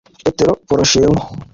Petro Poroshenko